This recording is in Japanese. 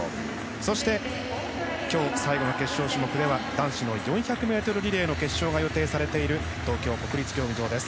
そして今日最後の決勝種目では男子の４００ｍリレーの決勝が予定されている東京国立競技場です。